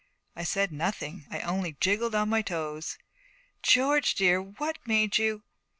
I said nothing. I only jiggled on my toes. 'George, dear, what made you?